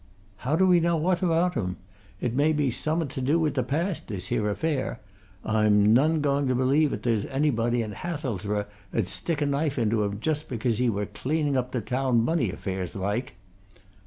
How do we know owt about him? It may be summat to do wi' t' past, this here affair. I'm none going t' believe 'at there's anybody i' Hathelsborough 'ud stick a knife into him just because he were cleaning up t' town money affairs, like."